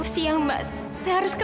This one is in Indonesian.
pergi ke rumah